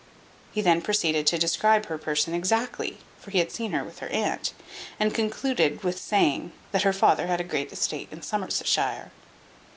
He then proceeded to describe her person exactly (for he had seen her with her aunt), and concluded with saying, "that her father had a great estate in Somersetshire."